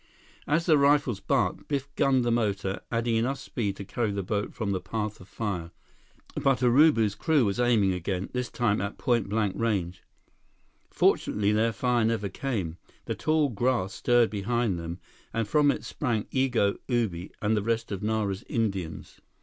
As the rifles barked, Biff gunned the motor, adding enough speed to carry the boat from the path of fire. But Urubu's crew was aiming again, this time at point blank range. Fortunately their fire never came. The tall grass stirred behind them, and from it sprang Igo, Ubi, and the rest of Nara's Indians.